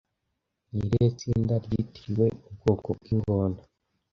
Ni irihe tsinda ryitiriwe ubwoko bw'ingona